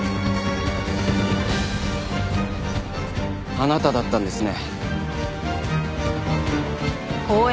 あなただったんですね。